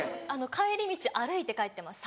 帰り道歩いて帰ってます